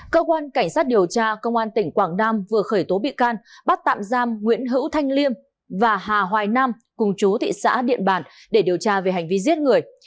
cơ quan cảnh sát điều tra công an tỉnh quảng nam vừa khởi tố bị can bắt tạm giam nguyễn hữu thanh liêm và hà hoài nam cùng chú thị xã điện bàn để điều tra về hành vi giết người